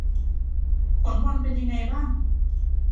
ผลบอลเป็นยังไงบ้าง